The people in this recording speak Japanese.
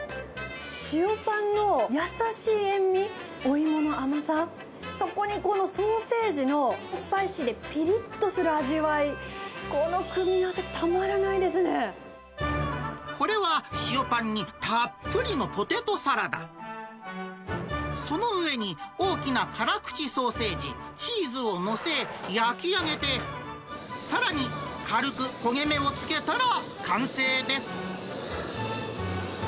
塩パンの優しい塩味、お芋の甘さ、そこにこのソーセージのスパイシーでぴりっとする味わい、この組これは、塩パンにたっぷりのポテトサラダ、その上に大きな辛口ソーセージ、チーズを載せ、焼き上げて、さらに軽く焦げ目をつけたら完成です。